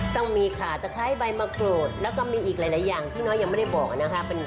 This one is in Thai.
ต้องมีค่ะตะไคร้ใบมะโกรธแล้วก็มีอีกหลายอย่างที่น้อยยังไม่ได้บอกนะคะ